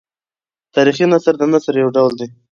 تاریخي نثر د نثر یو ډول دﺉ.